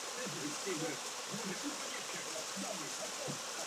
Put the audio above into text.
Doufám, že mohu počítat s vaší podporou v celém procesu.